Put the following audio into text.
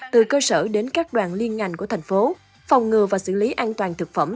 từ cơ sở đến các đoàn liên ngành của thành phố phòng ngừa và xử lý an toàn thực phẩm